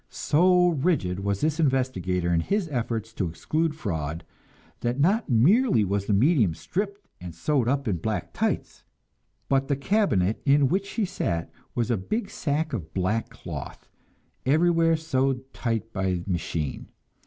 So rigid was this investigator in his efforts to exclude fraud, that not merely was the medium stripped and sewed up in black tights, but the "cabinet" in which she sat was a big sack of black cloth, everywhere sewed tight by machine.